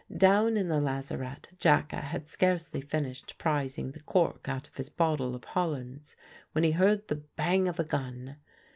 Down in the lazarette Jacka had scarcely finished prising the cork out of his bottle of Hollands when he heard the bang of a gun.